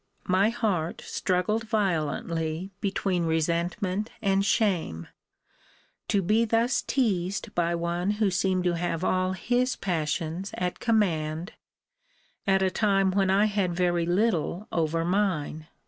My heart struggled violently between resentment and shame, to be thus teased by one who seemed to have all his passions at command, at a time when I had very little over mine!